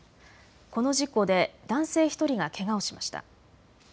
この事故で男性１人がけがをしました。